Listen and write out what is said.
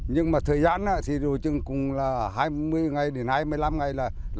nhưng mà thời gian thì đối chứng cũng là hai mươi đến hai mươi năm ngày